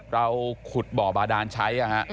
เราขุดบ่อบาดานใช้